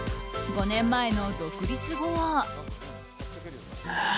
５年前の独立後は。